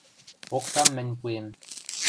Оксам мӹнь пуэм.